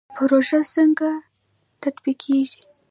پروژه څنګه تطبیقیږي؟